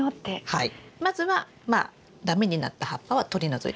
はい。